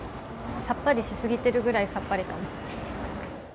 さっぱりしすぎてるぐらいさっぱりかな。